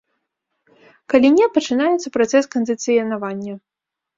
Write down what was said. Калі не, пачынаецца працэс кандыцыянавання.